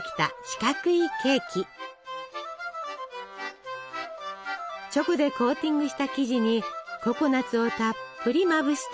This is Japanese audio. チョコでコーティングした生地にココナツをたっぷりまぶして。